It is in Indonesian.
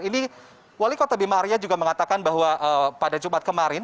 jadi wali kota bimaria juga mengatakan bahwa pada jumat kemarin